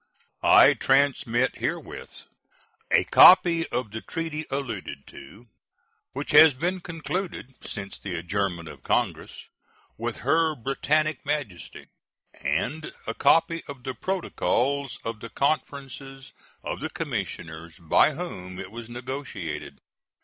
I transmit herewith a copy of the treaty alluded to, which has been concluded since the adjournment of Congress with Her Britannic Majesty, and a copy of the protocols of the conferences of the commissioners by whom it was negotiated.